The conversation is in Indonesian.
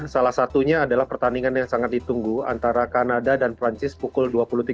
salah satunya adalah pertandingan yang sangat ditunggu antara kanada dan perancis pukul dua puluh tiga puluh